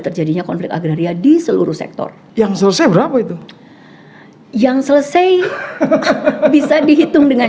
terjadinya konflik agraria di seluruh sektor yang selesai berapa itu yang selesai bisa dihitung dengan